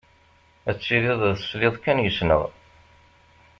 Ad tiliḍ tesliḍ kan yes-sneɣ.